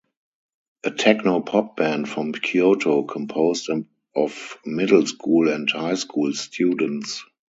A techno pop band from Kyoto composed of middle school and high school students.